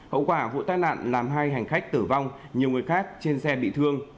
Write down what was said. hậu quả vụ tai nạn làm hai hành khách tử vong nhiều người khác trên xe bị thương